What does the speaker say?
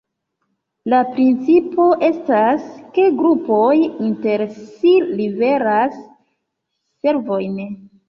La principo estas ke grupoj inter si liveras servojn.